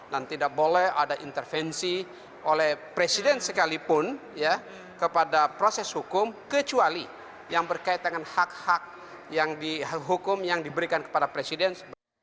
dan tidak boleh ada intervensi oleh presiden sekalipun kepada proses hukum kecuali yang berkaitan dengan hak hak hukum yang diberikan kepada presiden